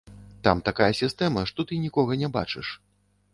Там такая сістэма, што ты нікога не бачыш.